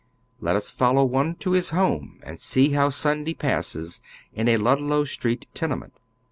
Let ns follow one to his home and see how Sunday passes in a Ludlow Street tenement.